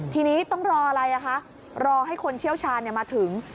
ทีนี้ต้องรออะไรคะรอให้คนเชี่ยวชาญมาถึง